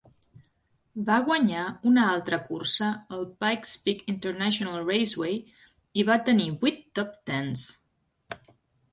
Va guanyar una altra cursa al Pikes Peak International Raceway i va tenir vuit top-tens.